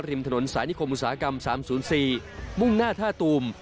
ริมถนนสายนิคมอุตสาหกรรม๓๐๔มุ่งหน้าท่าตูม